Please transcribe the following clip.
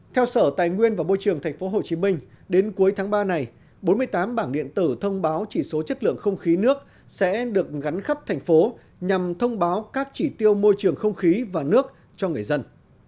theo sở tài nguyên và môi trường tp hcm đến cuối tháng ba này bốn mươi tám bảng điện tử thông báo chỉ số chất lượng không khí nước sẽ được gắn khắp thành phố nhằm thông báo các chỉ tiêu môi trường không khí và nước cho người dân